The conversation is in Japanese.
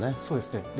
そうですね。